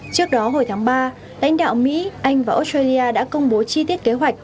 trước đó hồi tháng ba đánh đạo mỹ anh và australia đã công bố chi tiết kế hoạch